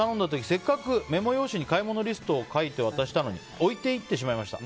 せっかくメモ用紙に買い物リストを書いて渡したのに置いて行ってしまいました。